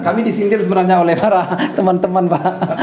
kami disindir sebenarnya oleh para teman teman pak